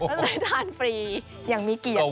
ไปทานฟรียังมีเกียรติด้วย